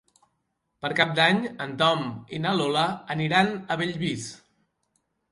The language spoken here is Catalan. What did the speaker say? Per Cap d'Any en Tom i na Lola aniran a Bellvís.